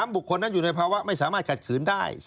บุคคลนั้นอยู่ในภาวะไม่สามารถขัดขืนได้